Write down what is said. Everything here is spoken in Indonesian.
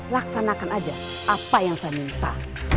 laksanakan aja apa yang saya minta